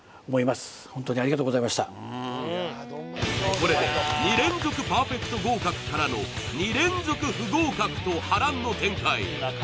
これで２連続パーフェクト合格からの２連続不合格と波乱の展開